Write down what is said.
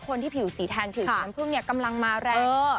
ผิวสีแทนผิวสีน้ำพึ่งเนี่ยกำลังมาแรง